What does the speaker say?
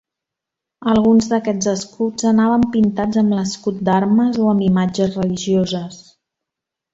Alguns d'aquests escuts anaven pintats amb l'Escut d'armes o amb imatges religioses.